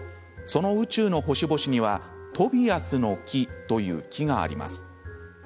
その宇宙の星々にはトビアスの木という木があります。